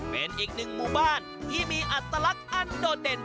เป็นอีกหนึ่งหมู่บ้านที่มีอัตลักษณ์อันโดดเด่น